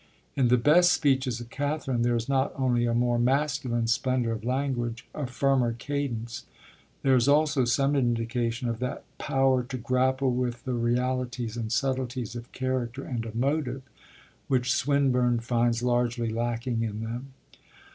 In the best speeches of Catherine there is not only a more masculine splendour of language, a firmer cadence, there is also some indication of that 'power to grapple with the realities and subtleties of character and of motive' which Swinburne finds largely lacking in them.